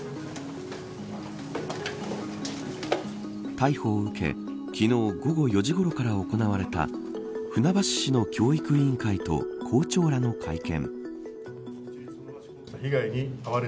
逮捕を受け昨日午後４時ごろから行われた船橋市の教育委員会と校長らの会見。